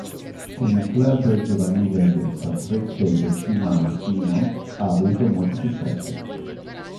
Con il club giovanile del Sanfrecce Hiroshima Makino ha avuto molti successi.